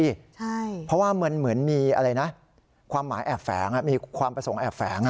ใช่เพราะว่ามันเหมือนมีอะไรนะความหมายแอบแฝงมีความประสงค์แอบแฝง